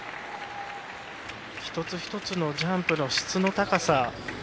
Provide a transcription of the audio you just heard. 一つ一つのジャンプの質の高さ。